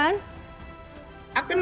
aku nangannya ketar